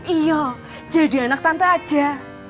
iya jadi anak tante aja